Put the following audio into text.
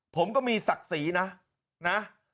ผมก็มีศักดิ์ศรีนะนะ